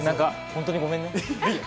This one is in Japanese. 本当、ごめんね。